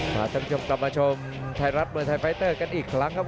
มาชมจมกลับมาชมไทรัศน์มือไทร์ไฟตเตอร์กันอีกครั้งครับ